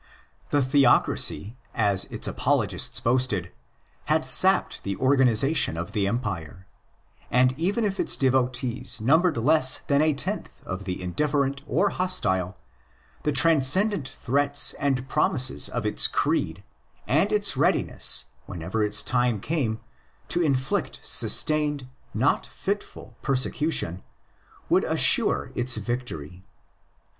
The theocracy, as its apologists boasted, had sapped the organisation of the empire; and, even if its devotees numbered less than a tenth of the indifferent or hostile, the transcendent threats and promises of its "τὴν δά THE ORIGINS OF CHRISTIANITY ereed, and its readiness, whenever its time came, to inflict sustained, not fitful, persecution, would assure it the victory.